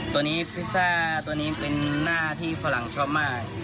ตัวนี้พิซซ่าตัวนี้เป็นหน้าที่ฝรั่งชอบมาก